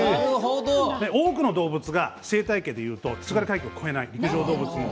多くの動物が生態系でいうと津軽海峡を越えない。